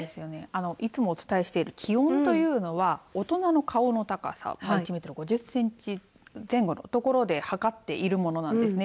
いつもお伝えしている気温というのは大人の顔の高さ１メートル５０センチ前後のところで測っているものなんですね。